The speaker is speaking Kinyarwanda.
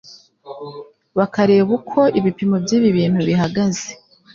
bakareba uko ibipimo by'ibi bintu bihagaze.